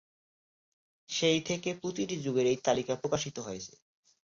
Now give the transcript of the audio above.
সেই থেকে প্রতিটি যুগেই এই তালিকা প্রকাশিত হয়েছে।